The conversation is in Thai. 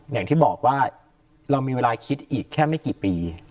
อย่างที่บอกว่าเรามีเวลาคิดอีกแค่ไม่กี่ปี